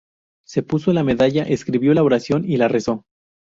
Se puso la medalla, escribió la oración y la rezó.